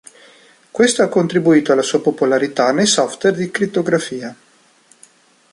Questo ha contribuito alla sua popolarità nei software di crittografia.